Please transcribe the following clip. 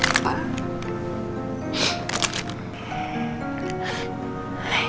terima kasih papa